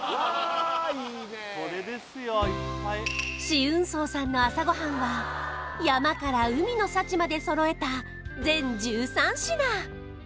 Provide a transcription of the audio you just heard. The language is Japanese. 紫雲荘さんの朝ごはんは山から海の幸までそろえた全１３品